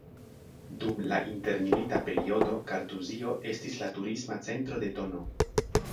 Dum la intermilita periodo Kartuzio estis la Turisma Centro de tn.